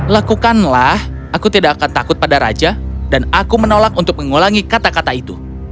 lakukanlah aku tidak akan takut pada raja dan aku menolak untuk mengulangi kata kata itu